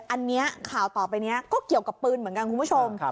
อันนี้ข่าวต่อไปนี้ก็เกี่ยวกับปืนเหมือนกันคุณผู้ชม